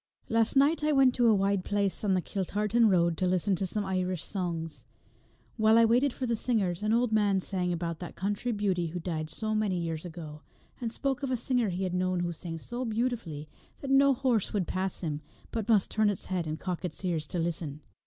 Last night I went to a wide place on the Kiltartan road to listen to some Irish songs. While I waited for the singers an old man sang about that country beauty who died so many years ago, and spoke of a singer he had known who sang so beautifully that no horse would pass him, but must turn its head and cock its ears to listen.